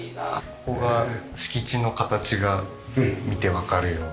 ここが敷地の形が見てわかるような。